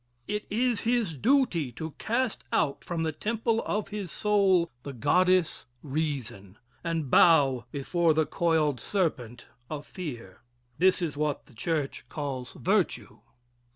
It is his duty to cast out from the temple of his soul the goddess Reason, and bow before the coiled serpent of Fear. This is what the church calls virtue.